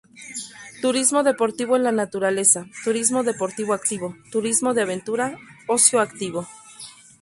Turismo deportivo en la naturaleza, turismo deportivo activo, turismo de aventura, ocio activo.